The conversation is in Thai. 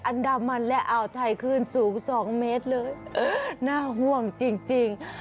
อันดามันและอ่าวไทยคลื่นสูง๒เมตรเลยเออน่าห่วงจริง